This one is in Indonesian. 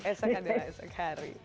esok adalah esok hari